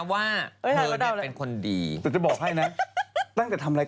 ไม่ใช่เป็นคนดับเลย